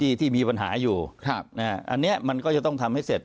ที่ที่มีปัญหาอยู่ครับนะฮะอันเนี้ยมันก็จะต้องทำให้เสร็จ